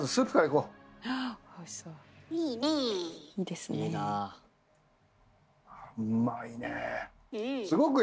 うまいねえ。